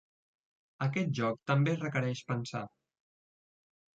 Aquest joc també requereix pensar.